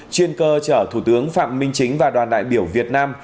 chuyên cơ chở thủ tướng phạm minh chính và đoàn đại biểu việt nam